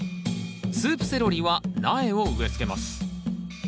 スープセロリは苗を植えつけます。